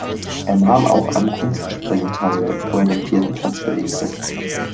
Er nahm auch am Kunstspringen teil, wo er den vierten Platz belegte.